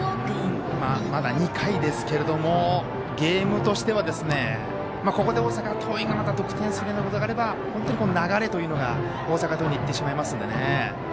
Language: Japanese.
まだ２回ですけれどもゲームとしてはここで大阪桐蔭が得点するようなことがあれば本当に流れというのが大阪桐蔭にいってしまいますので。